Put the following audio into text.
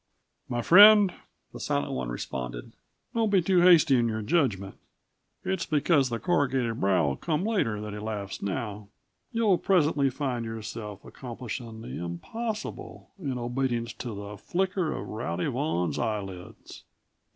"My friend," the Silent One responded, "don't be too hasty in your judgment. It's because the corrugated brow will come later that he laughs now. You'll presently find yourself accomplishing the impossible in obedience to the flicker of Rowdy Vaughan's eyelids.